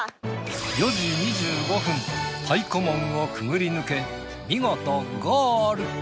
４時２５分太鼓門をくぐり抜け見事ゴール。